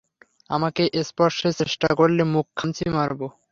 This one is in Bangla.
আমাকে স্পর্শের চেষ্টা করলে, মুখ খামচি মারবো।